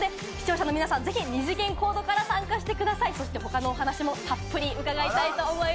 ぜひ皆さんも二次元コードから参加してください。